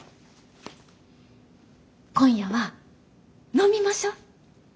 今夜は飲みましょう！